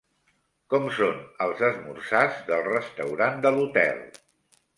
Com són els esmorzars del restaurant de l'hotel?